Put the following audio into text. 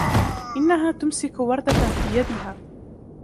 إنها تمسك وردة في يدها.